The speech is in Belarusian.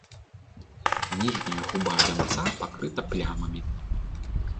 Ніжняя губа вянца пакрыта плямамі.